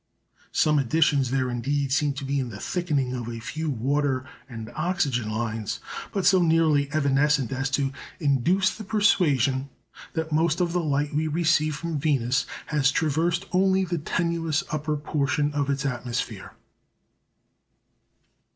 Some additions there indeed seem to be in the thickening of a few water and oxygen lines; but so nearly evanescent as to induce the persuasion that most of the light we receive from Venus has traversed only the tenuous upper portion of its atmosphere.